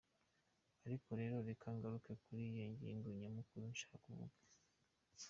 Ariko rero reka ngaruke kuri ngingo nyamukuru nshaka kuvuga.